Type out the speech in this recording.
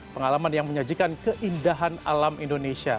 pengalaman yang menyajikan keindahan alam indonesia